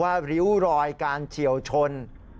ริ้วรอยการเฉียวชน